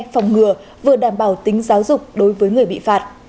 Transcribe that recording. phòng ngừa vừa đảm bảo tính giáo dục đối với người bị phạt